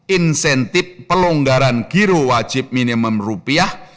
insentif pelonggaran giro wajib minimum rupiah